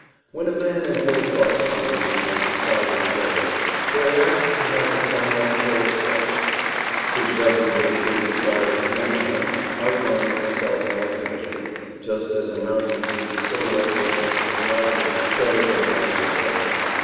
When a man in Holcroft's position has decided traits, they are apt to have a somewhat full expression; his rugged nature beside a tamer one outlines itself more vividly, just as a mountain peak is silhouetted against the horizon better than a rounded hill.